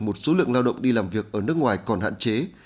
một số lượng lao động đi làm việc ở nước ngoài còn hạn chế